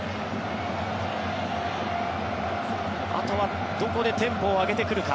あとはどこでテンポを上げてくるか。